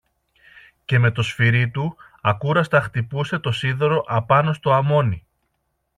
Και με το σφυρί του, ακούραστα χτυπούσε το σίδερο απάνω στο αμόνι.